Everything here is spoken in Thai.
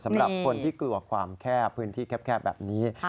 สำหรับคนที่กลัวความแคบพื้นที่แคบแบบนี้